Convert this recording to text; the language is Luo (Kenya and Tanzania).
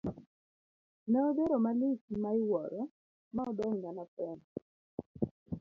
Ne odhero malich ma iwuoro ma odong' mana frem.